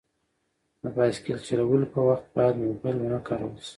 د بایسکل چلولو په وخت باید موبایل ونه کارول شي.